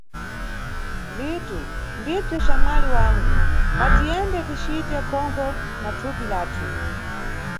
Litu: Ndibzo xamwali wangu, mbatiyende ticite khonkho na thupi lathu.